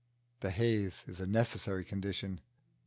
The haze is a necessary condition.